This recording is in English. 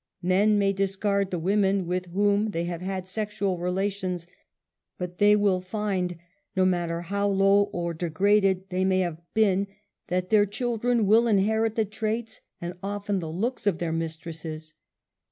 Men may discard the women with whom they have had sexual relations but they will find, no matter how low or degraded PURE MANHOOD. 25 they may have been that their children will inherit^ ^ the traits and often the looks of their mistresses.